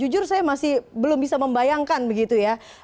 jujur saya masih belum bisa membayangkan begitu ya